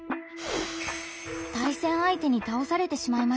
対戦相手に倒されてしまいました。